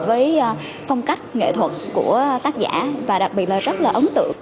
với phong cách nghệ thuật của tác giả và đặc biệt là rất là ấn tượng